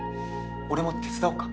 俺も手伝おうか？